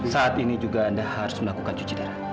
saat ini juga anda harus melakukan cuci darah